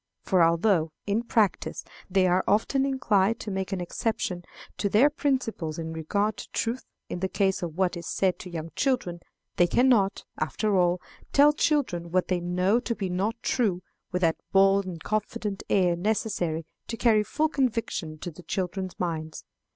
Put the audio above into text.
For although, in practice, they are often inclined to make an exception to their principles in regard to truth in the case of what is said to young children, they can not, after all, tell children what they know to be not true with that bold and confident air necessary to carry full conviction to the children's minds.